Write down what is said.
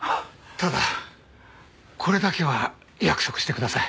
ただこれだけは約束してください。